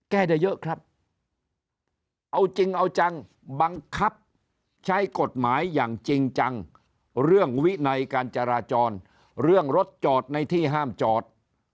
ได้เยอะครับเอาจริงเอาจังบังคับใช้กฎหมายอย่างจริงจังเรื่องวินัยการจราจรเรื่องรถจอดในที่ห้ามจอด